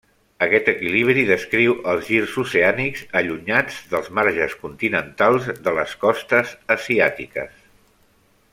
Aquest equilibri descriu els girs oceànics allunyats dels marges continentals de les costes asiàtiques.